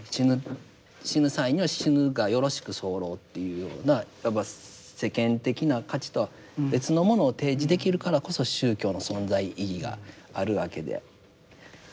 死ぬ際には死ぬがよろしく候というようなやっぱり世間的な価値とは別のものを提示できるからこそ宗教の存在意義があるわけであるんですが。